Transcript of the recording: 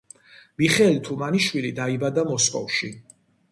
მიხეილ თუმანიშვილი დაიბადა მოსკოვში.